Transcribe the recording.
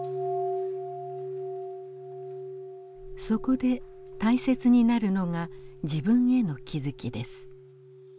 そこで大切になるのが「自分への気づき」です。